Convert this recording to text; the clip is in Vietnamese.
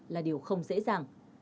là điều không dễ dàng